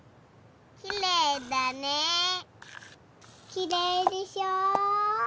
きれいでしょ？